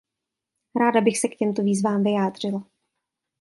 Ráda bych se k těmto výzvám vyjádřila.